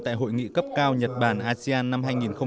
tại hội nghị cấp cao nhật bản asean năm hai nghìn một mươi tám